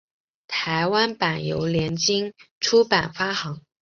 台湾版由联经出版发行。